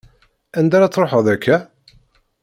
Anda ar ad tṛuḥeḍ akka?